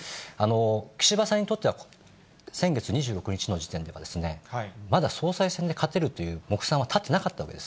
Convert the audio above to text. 岸田さんにとっては先月２６日の時点では、まだ総裁選に立つという目算は立っていなかったわけです。